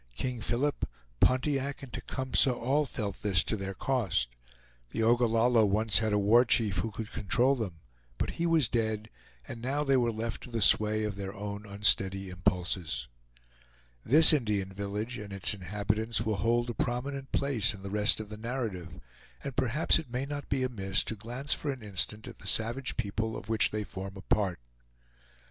King Philip, Pontiac, and Tecumseh all felt this to their cost. The Ogallalla once had a war chief who could control them; but he was dead, and now they were left to the sway of their own unsteady impulses. This Indian village and its inhabitants will hold a prominent place in the rest of the narrative, and perhaps it may not be amiss to glance for an instant at the savage people of which they form a part.